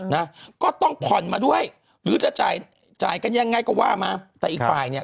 นะก็ต้องผ่อนมาด้วยหรือจะจ่ายจ่ายกันยังไงก็ว่ามาแต่อีกฝ่ายเนี่ย